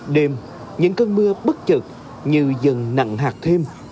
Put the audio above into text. đêm những cơn mưa bất chật như dần nặng hạt thêm